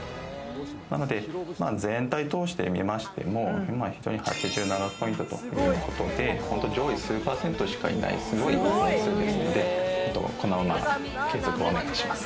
なので全体通して見ましても、今、非常に８７ポイントということで、上位数％しかいない、すごいいい点数ですので、このまま継続をお願いします。